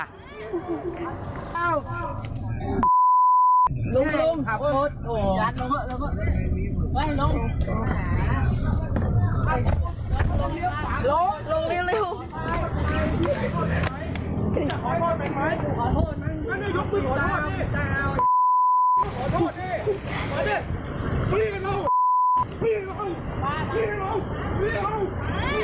ลงครับโพสต์